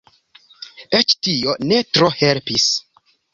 Eĉ tio ne tro helpis.